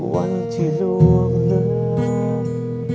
วันที่ล่วงเลือด